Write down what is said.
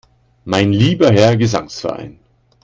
Mein lieber Herr Gesangsverein!